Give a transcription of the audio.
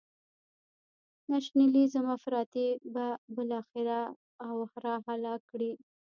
نشنلیزم افراطی به بالاخره او را هلاک کړي.